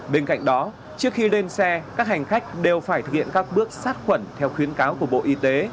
bên cạnh đó trước khi lên xe các hành khách đều phải thực hiện các bước sát khuẩn theo khuyến cáo của bộ y tế